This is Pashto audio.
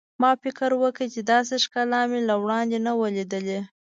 ما فکر وکړ چې داسې ښکلا مې له وړاندې نه وه لیدلې.